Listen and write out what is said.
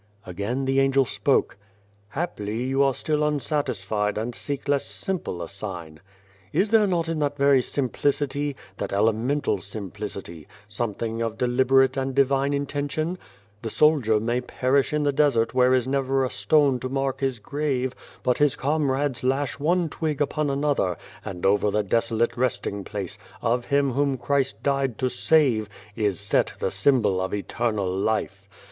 Again the Angel spoke :" Haply you are still unsatisfied and seek less simple a sign. " Is there not in that very simplicity that elemental simplicity something of deliberate and Divine intention ? The soldier may perish in the desert where is never a stone to mark his grave, but his comrades lash one twig upon another, and over the desolate resting place, of him whom Christ died to save, is set the symbol of Eternal Life.